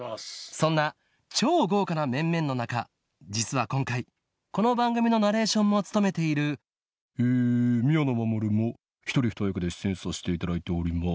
そんな超豪華な面々の中実は今回この番組のナレーションも務めている「え宮野真守も１人２役で出演させていただいております」